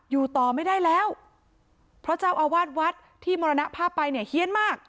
อยู่ต่อไม่ได้แล้วเพราะเจ้าอาวาสวัดที่มรณภาพไปเนี่ยเฮียนมาก